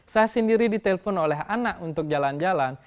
saya sendiri ditelepon oleh anak untuk jalan jalan